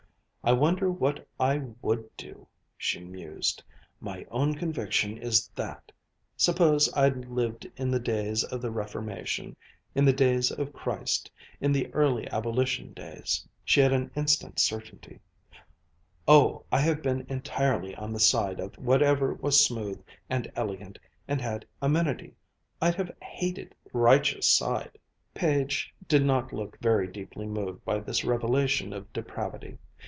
I wonder what I would do," she mused. "My own conviction is that suppose I'd lived in the days of the Reformation in the days of Christ in the early Abolition days " She had an instant certainty: "Oh, I have been entirely on the side of whatever was smooth, and elegant, and had amenity I'd have hated the righteous side!" Page did not look very deeply moved by this revelation of depravity.